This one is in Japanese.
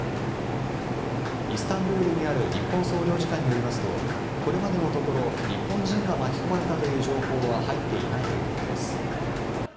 イスタンブールにある日本総領事館によりますと、これまでのところ、日本人が巻き込まれたという情報は入っていないということです。